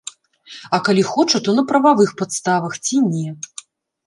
А калі хоча, то на прававых падставах ці не.